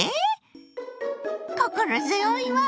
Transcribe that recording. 心強いわ！